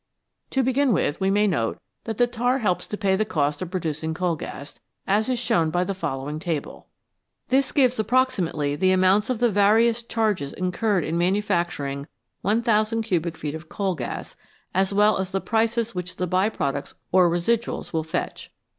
To begin with, we may note that the tar helps to pay the cost of producing coal gas, as is shown by the following table. This gives approximately the amounts of the various charges incurred in manufacturing 1000 cubic feet of coal gas, as well as the prices which the by products or residuals will fetch.